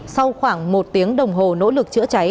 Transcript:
sau khoảng một tiếng đồng hồ nỗ lực chữa cháy